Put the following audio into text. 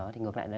thì ngược lại